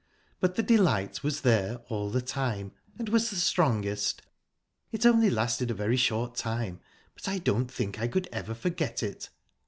But the delight was there all the time, and was the strongest...It only lasted a very short time, but I don't think I could ever forget it..."